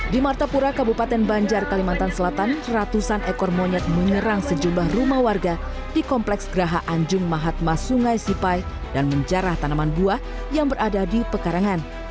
di martapura kabupaten banjar kalimantan selatan ratusan ekor monyet menyerang sejumlah rumah warga di kompleks geraha anjung mahatma sungai sipai dan menjarah tanaman buah yang berada di pekarangan